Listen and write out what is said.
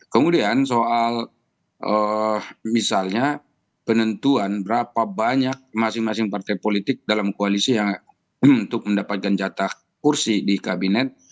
kemudian soal misalnya penentuan berapa banyak masing masing partai politik dalam koalisi yang untuk mendapatkan jatah kursi di kabinet